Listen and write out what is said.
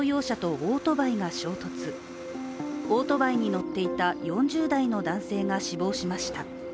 オートバイに乗っていた４０代の男性が死亡しました。